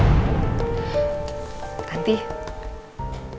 tadi kamu bikinin jus kan buat mama